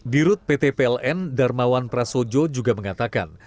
di rut pt pln darmawan prasojo juga mengatakan